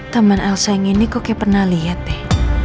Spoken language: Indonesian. temen elsa yang ini kok kayak pernah liat deh